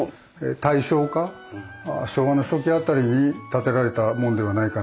大正か昭和の初期辺りに建てられたものではないかなと。